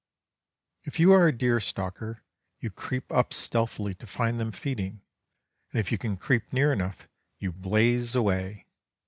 If you are a deer stalker you creep up stealthily to find them feeding, and if you can creep near enough, you blaze away.